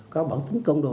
có bản tính công đồ